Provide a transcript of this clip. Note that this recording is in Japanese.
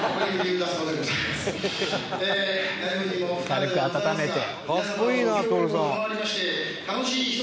「軽く温めて」「かっこいいな徹さん」